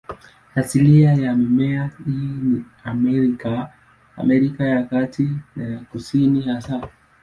Asilia ya mimea hii ni Amerika, Amerika ya Kati na ya Kusini hasa.